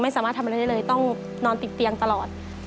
ไม่สามารถได้เลยต้องนอนติดเตียงตลอด